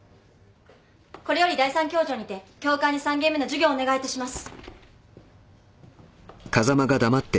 これより第３教場にて教官に３限目の授業をお願いいたします。